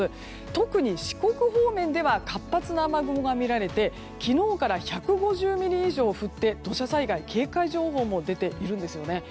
特に四国方面では活発な雨雲が見られて昨日から１５０ミリ以上降って土砂災害警戒情報も出ているんですよね。